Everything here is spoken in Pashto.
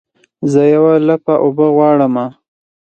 زه یوه لپه اوبه غواړمه